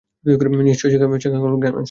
নিশ্চয়ই ছ্যাঁকা খাওয়া গান শুনছে।